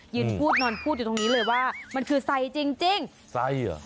ยืนพูดนอนพูดอยู่ตรงนี้เลยว่ามันคือไซจริงจริงไส้เหรอ